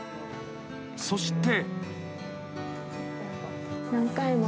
［そして］